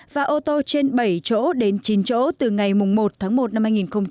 và ô tô trên bảy chỗ đến chín chỗ từ ngày một tháng một năm hai nghìn hai mươi